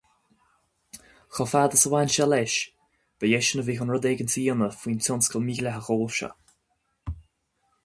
Chomh fada agus a bhain sé leis, ba eisean a bhí chun rud éigin a dhéanamh faoin tionscal mídhleathach óil seo.